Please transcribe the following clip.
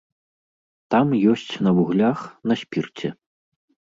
Там ёсць на вуглях, на спірце.